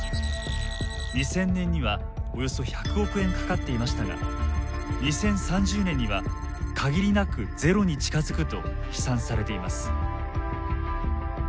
２０００年にはおよそ１００億円かかっていましたが２０３０年には限りなくゼロに近づくと試算されています。